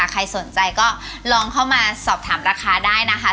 ใครสนใจก็ลองเข้ามาสอบถามราคาได้นะคะ